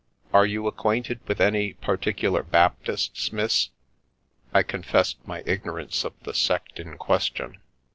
"Are you acquainted with any Particular Baptists, miss?" I confessed my ignorance of the sect in question.